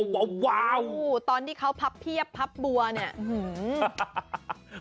ว้าวตอนที่เขาพับเพียบพับบัวเนี่ย